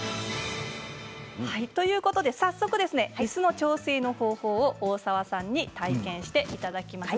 ということで、早速いすの調整の方法を大沢さんに体験していただきます。